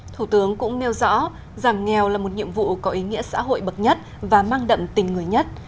thủ tướng cũng nêu rõ giảm nghèo là một nhiệm vụ có ý nghĩa xã hội bậc nhất và mang đậm tình người nhất